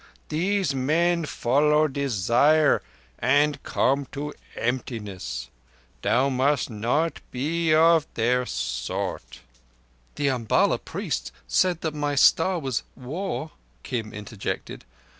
These men follow desire and come to emptiness. Thou must not be of their sort." "The Umballa priest said that my Star was War," Kim interjected.